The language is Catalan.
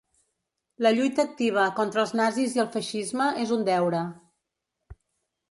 La lluita activa contra els nazis i el feixisme és un deure.